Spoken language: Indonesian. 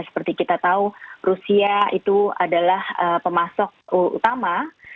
seperti kita tahu rusia itu adalah pemasok utama